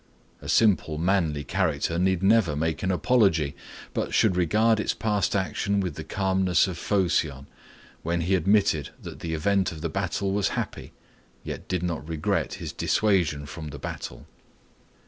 A simple manly character need never make an apology, but should regard its past action with the calmness of Phocion, when he admitted that the event of the battle was happy, yet did not regret his dissuasion from the battle.